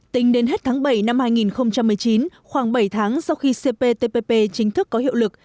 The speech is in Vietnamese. tính đến hết tháng bảy năm hai nghìn một mươi chín khoảng bảy tháng sau khi cptpp chính thức có hiệu lực